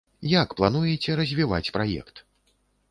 Як плануеце развіваць праект?